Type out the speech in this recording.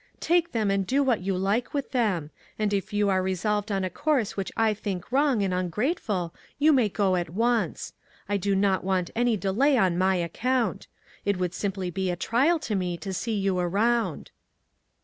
Take them and do what you ONE COMMONPLACE DAY. like with them. And if you are resolved on a course which I think wrong and un grateful, you may go at once. I do not want any delay on my account. It would simply be a trial to me to see you around."